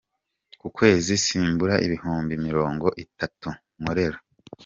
Ku kwezi simbura ibihumbi miringo itatu nkorera.